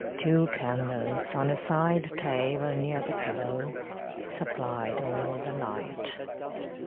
Two candles, on a side table near the pillow, supplied all the light.